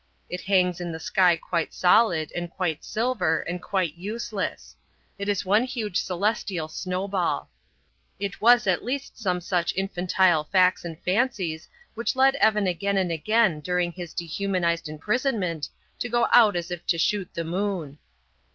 It hangs in the sky quite solid and quite silver and quite useless; it is one huge celestial snowball. It was at least some such infantile facts and fancies which led Evan again and again during his dehumanized imprisonment to go out as if to shoot the moon.